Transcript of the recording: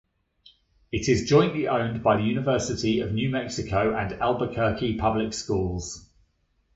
It is jointly owned by the University of New Mexico and Albuquerque Public Schools.